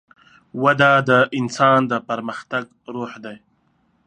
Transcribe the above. وده د انسان د پرمختګ روح ده.